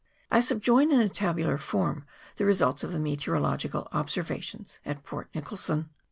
I subjoin in a tabular form the results of the meteorological observations at Port Nicholson.